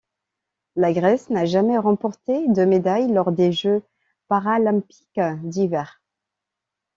La Grèce n'a jamais remporté de médaille lors des Jeux paralympiques d'hiver.